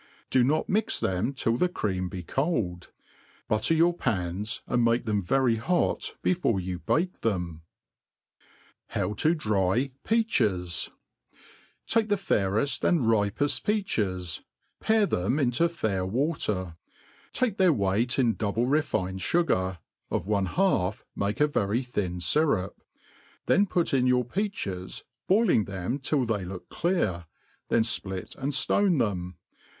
Do not mix them till the cream be cold ; butte^ your pans^ and make them very hot before you bake them. How to dry Peachei^ / TAKE the falreft and ripeft peaches, pare them 'into fair; water ; take their weight in double refined fugar, of one half make a vf ry thin fyrup ; then put in your peaches, boiling themi till they look clear, then fplit and ftone them.